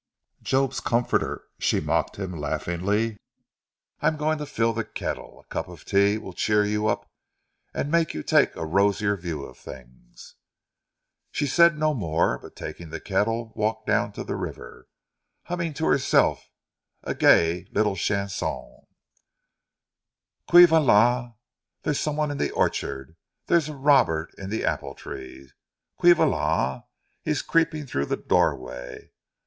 "Job's comforter!" she mocked him laughingly. "I'm going to fill the kettle. A cup of tea will cheer you up and make you take a rosier view of things." She said no more, but taking the kettle, walked down to the river, humming to herself a gay little chanson. "Qui va là! There's someone in the orchard, There's a robber in the apple trees, Qui va là! He is creeping through the doorway.